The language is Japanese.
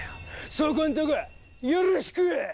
そこんとこよろしく！